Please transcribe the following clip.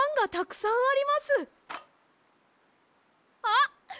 あっ！